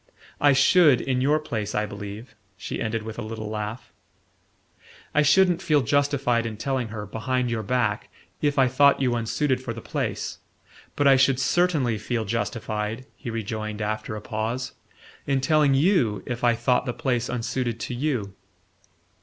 "I should, in your place, I believe," she ended with a little laugh. "I shouldn't feel justified in telling her, behind your back, if I thought you unsuited for the place; but I should certainly feel justified," he rejoined after a pause, "in telling YOU if I thought the place unsuited to you."